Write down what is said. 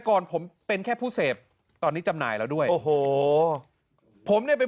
ก่อนผมเป็นแค่ผู้เสพตอนนี้จำหน่ายแล้วด้วยโอ้โหผมเนี่ยเป็น